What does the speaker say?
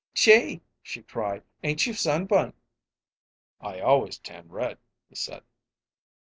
"Gee!" she cried. "Ain't you sunburnt!" "I always tan red," he said.